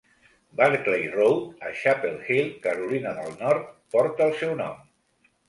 Barclay Road, a Chapel Hill, Carolina del Nord, porta el seu nom.